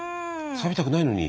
サビたくないのに。